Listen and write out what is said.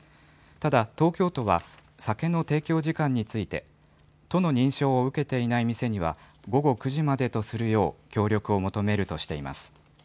ただ、東京都は、酒の提供時間について、都の認証を受けていない店には、午後９時までとするよう協力を求めるとしています。